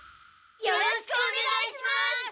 よろしくお願いします！